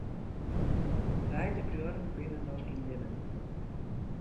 Beide bruorren binne noch yn libben.